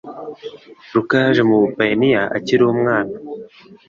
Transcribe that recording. Ruka yaje mu Buyapani akiri umwana.